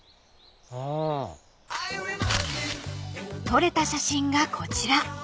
［撮れた写真がこちら］